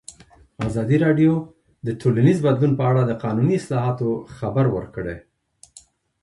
ازادي راډیو د ټولنیز بدلون په اړه د قانوني اصلاحاتو خبر ورکړی.